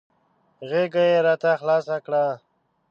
غېږه یې راته خلاصه کړه .